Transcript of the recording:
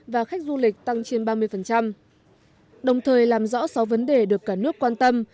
và khách du lịch tăng trên ba mươi đồng thời làm rõ sáu vấn đề được cả nước quan tâm